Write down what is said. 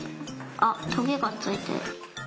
あっトゲがついてる。